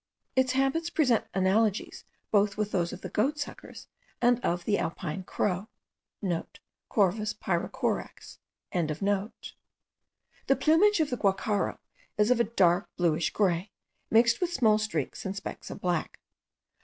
Its habits present analogies both with those of the goatsuckers and of the alpine crow.* (* Corvus Pyrrhocorax.) The plumage of the guacharo is of a dark bluish grey, mixed with small streaks and specks of black.